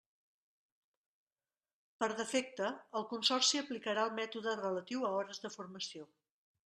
Per defecte, el Consorci aplicarà el mètode relatiu a hores de formació.